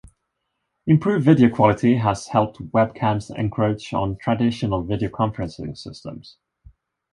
Improved video quality has helped webcams encroach on traditional video conferencing systems.